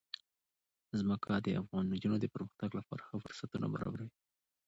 ځمکه د افغان نجونو د پرمختګ لپاره ښه فرصتونه برابروي.